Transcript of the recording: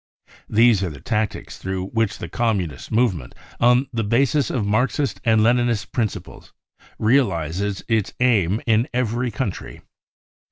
These are the tactics through which the Communist movement, on the basis of Marxist and Leninist principles, realises its aims in every country.